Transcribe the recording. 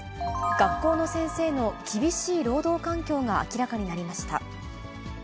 学校の先生の厳しい労働環境が明らかになりました。